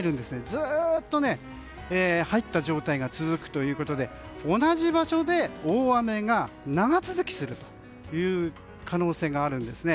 ずっと入った状態が続くということで同じ場所で大雨が長続きするという可能性があるんです。